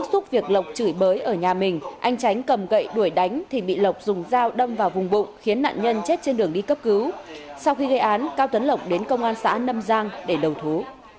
giúp việc lộc chửi bới ở nhà mình anh tránh cầm gậy đuổi đánh thì bị lộc dùng dao đâm vào vùng bụng khiến nạn nhân chết trên đường đi cấp cứu sau khi gây án cao tấn lộc đến công an xã nâm giang để đầu thú